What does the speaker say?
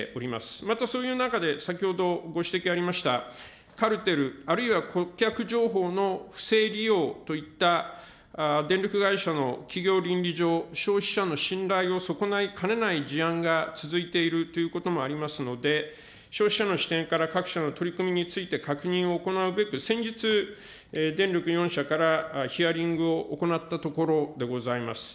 またそういう中で、先ほどご指摘ありましたカルテル、あるいは顧客情報の不正利用といった電力会社の企業倫理上、消費者の信頼を損ないかねない事案が続いているということもありますので、消費者の視点から各社の取り組みについて確認を行うべく、先日、電力４社からヒアリングを行ったところでございます。